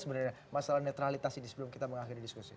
sebenarnya masalah netralitas ini sebelum kita mengakhiri diskusi